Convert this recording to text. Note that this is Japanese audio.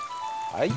はい。